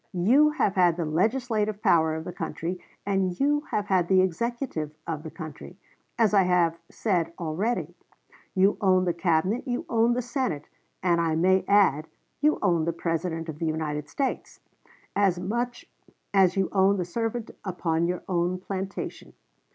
You have had the legislative power of the country, and you have had the executive of the country, as I have said already. You own the Cabinet, you own the Senate, and I may add, you own the President of the United States, as much as you own the servant upon your own plantation.